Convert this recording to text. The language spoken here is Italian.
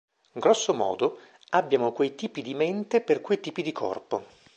Grosso modo, abbiamo quei tipi di mente per quei tipi di corpo.